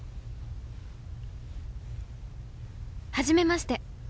初めまして。